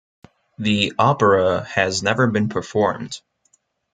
The opera has never been performed.